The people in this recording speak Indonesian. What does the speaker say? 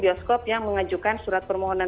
bioskop yang mengajukan surat permohonan